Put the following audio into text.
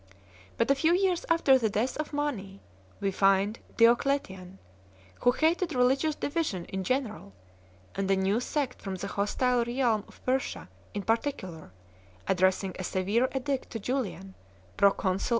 But a few years after the death of Mani, we find Diocletian, who hated religious division in general and a new sect from the hostile realm of Persia in par ticular, addressing a severe edict 1 to Julian, proconsul of 1 Given in Gieseler, i.